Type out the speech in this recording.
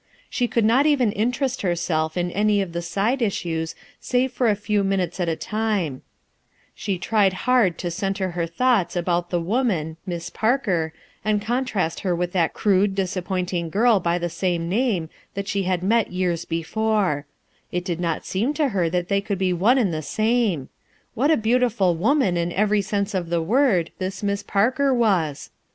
She could not even interest herself in any of the side issues save for a few minutes at a time She tried hard to centre her thoughts about the woman, Miss Parker, and contrast her with that crude disappointing girl by the same name that she had met years before; it did not seem to her that they could be one and the game ! What a beautiful woman in every sense of the word this lliss Parker was